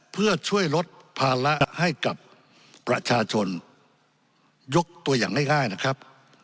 เพื่อช่วยลดภาระให้กับประชาชนยกตัวอย่างง่ายนะครับ